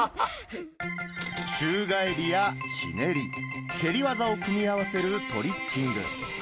宙返りやひねり、蹴り技を組み合わせるトリッキング。